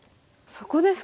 そこですか。